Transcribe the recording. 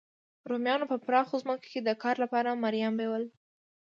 رومیانو په پراخو ځمکو کې د کار لپاره مریان بیول